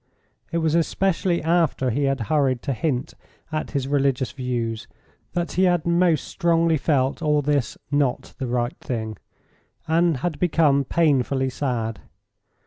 It was especially after he had hurried to hint at his religious views that he had most strongly felt all this "not the right thing," and had become painfully sad.